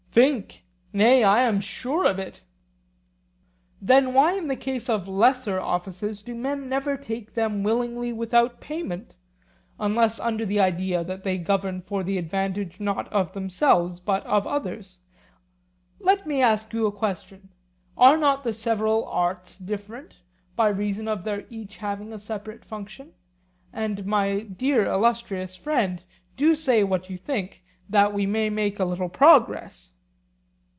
Think! Nay, I am sure of it. Then why in the case of lesser offices do men never take them willingly without payment, unless under the idea that they govern for the advantage not of themselves but of others? Let me ask you a question: Are not the several arts different, by reason of their each having a separate function? And, my dear illustrious friend, do say what you think, that we may make a little progress.